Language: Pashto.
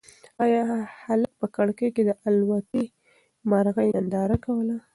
ایا هلک په کړکۍ کې د الوتی مرغۍ ننداره کوله؟